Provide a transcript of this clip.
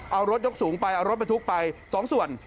เอารถยกสูงไปเอารถบรรทุกไป๒ส่วน